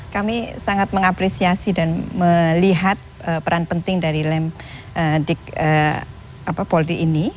kami sangat mengapresiasi dan melihat peran penting dari lem di polri ini